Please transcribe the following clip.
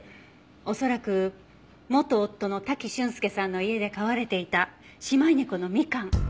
恐らく元夫の滝俊介さんの家で飼われていた姉妹猫のみかん。